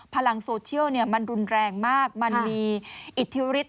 พลังโซเชียลมันรุนแรงมากมันมีอิทธิฤทธ